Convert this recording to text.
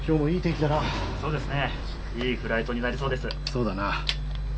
そうだな。